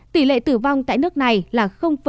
tỷ lệ tử vong tại nước này là một mươi bốn